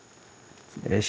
よし！